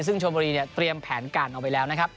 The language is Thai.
ซึ่งชมบุรีเตรียมแผนการออกไปแล้วนะครับ